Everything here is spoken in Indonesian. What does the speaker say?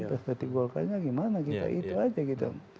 perspektif golkarnya gimana kita itu aja gitu